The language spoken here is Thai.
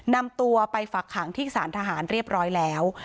นำตัวไปฝักขังที่สารทหารเรียบร้อยแล้ว